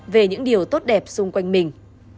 về những điều tốt đẹp xung quanh mình